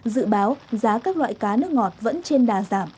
dự báo giá các loại cá nước ngọt vẫn trên đà giảm